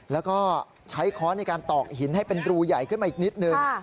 แล้วก็ใช้ค้อนในการตอกหินให้เป็นรูใหญ่ขึ้นมาอีกนิดนึง